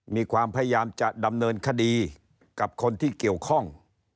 มีความพยายามจะดำเนินคดีกับคนที่เกี่ยวข้อง